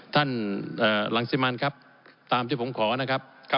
ท่านเอ่อหลังสิมานครับตามที่ผมขอนะครับครับ